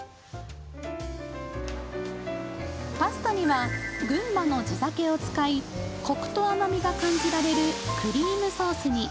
パスタには群馬の地酒を使いコクと甘みが感じられるクリームソースに。